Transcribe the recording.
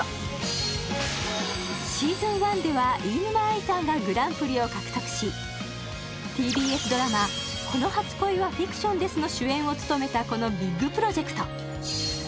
ｓｅａｓｏｎ１では飯沼愛さんがグランプリを獲得し、ＴＢＳドラマ「この初恋はフィクションです」の主演を務めたこのビッグプロジェクト。